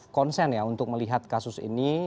konsen ya untuk melihat kasus ini